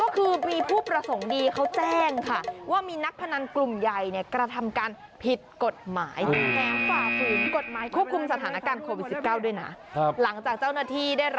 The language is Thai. เพราะอะไรรู้ไหมรถจอดไป